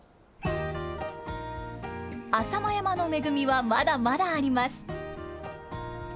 浅間山の恵みはまだまだあります。